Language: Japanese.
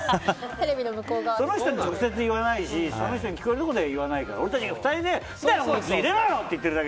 その人に直接言わないしその人に聞こえるところでは言わないから。